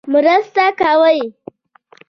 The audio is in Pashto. مرسته کوي.